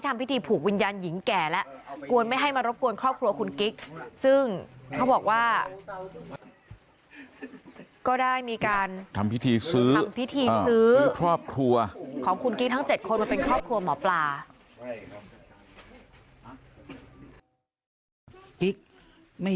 ถ้าผมยุ่งสูกสาวที่ผ่านมาเนี่ยผมต้องเสียเวลามา